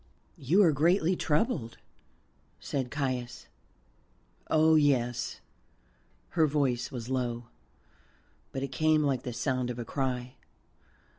"You are greatly troubled," said Caius. "Oh yes," her voice was low, but it came like the sound of a cry.